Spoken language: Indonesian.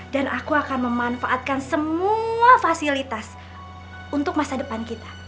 dan aku akan memanfaatkan semua fasilitas untuk masa depan kita